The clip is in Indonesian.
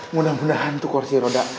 mudah mudahan tuh kursi roda